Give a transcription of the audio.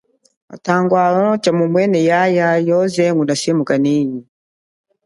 Matangwawa tshamumwene yaya nguna semukanenyi.